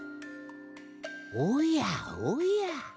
おやおや。